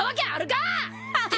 ハハハハ！